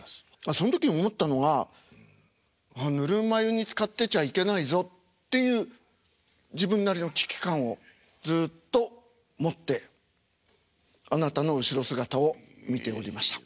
その時に思ったのがぬるま湯につかってちゃいけないぞっていう自分なりの危機感をずっと持ってあなたの後ろ姿を見ておりました。